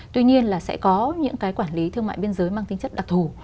tuy nhiên sẽ có những quản lý thương mại biên giới mang tính chất đặc thù